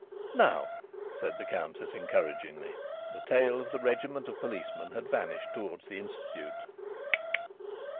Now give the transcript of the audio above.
"Now," said the Countess, encouragingly. The tail of the regiment of policemen had vanished towards the Institute.